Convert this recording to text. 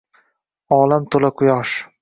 Olam to’la quyosh